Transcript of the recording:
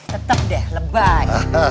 tetep deh lebay